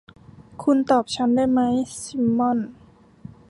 คุณตอบฉันได้ไหม ซิมม่อน